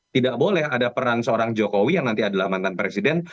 tidak boleh ada peran seorang jokowi yang nanti adalah mantan presiden